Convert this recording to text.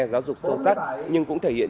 giáo dục sâu sắc nhưng cũng thể hiện